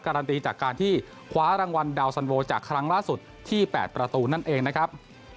การันตีจากการที่คว้ารางวัลดาวสันโวจากครั้งล่าสุดที่๘ประตูนั่นเองนะครับ